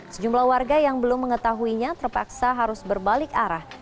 sejumlah warga yang belum mengetahuinya terpaksa harus berbalik arah